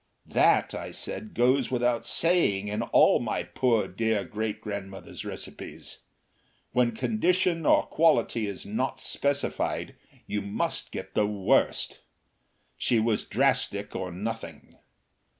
"That," I said, "goes without saying in all my poor dear great grandmother's recipes. When condition or quality is not specified you must get the worst. She was drastic or nothing....